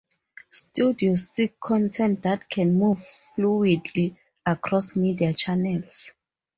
Studios seek content that can move fluidly across media channels.